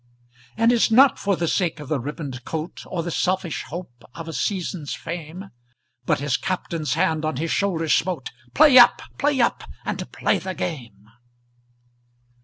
And it's not for the sake of a ribboned coat, Or the selfish hope of a season's fame, But his Captain's hand on his shoulder smote "Play up! play up! and play the game!"